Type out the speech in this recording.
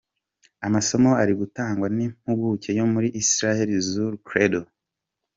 Amasomo ari gutangwa n’impuguke yo muri Israheli Zur Kredo.